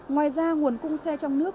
ngoài ra nguồn cung xe trong nước